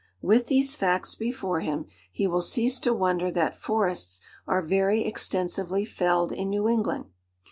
With these facts before him, he will cease to wonder that forests are very extensively felled in New England.